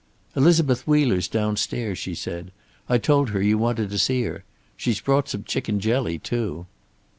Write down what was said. "Elizabeth Wheeler's downstairs," she said. "I told her you wanted to see her. She's brought some chicken jelly, too."